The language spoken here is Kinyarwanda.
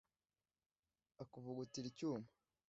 akavugutira icyuma